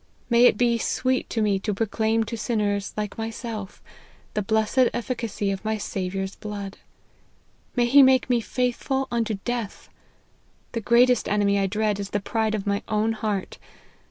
May it be sweet to me to proclaim to sinners like myself, the blessed efficacy of my Saviour's blood ! May he make me faithful unto death ! The greatest enemy I dread is the pride of my own heart.